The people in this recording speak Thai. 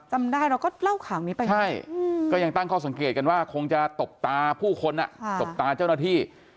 จำได้เราก็เล่าข่าวนี้ไปใช่ก็ยังตั้งข้อสังเกตกันว่าคงจะตบตาผู้คนตบตาเจ้าหน้าที่